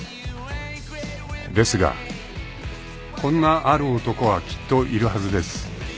［ですがこんなある男はきっといるはずです］